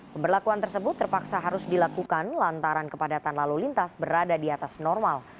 pemberlakuan tersebut terpaksa harus dilakukan lantaran kepadatan lalu lintas berada di atas normal